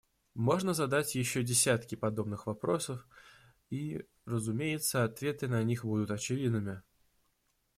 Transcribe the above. Можно задать еще десятки подобных вопросов, и, разумеется, ответы на них будут очевидными.